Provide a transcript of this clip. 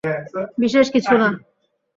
বিশেষ কিছু না।